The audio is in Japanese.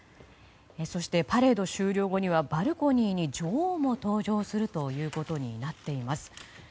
そしてパレード終了後にはバルコニーに女王も登場するということになっています。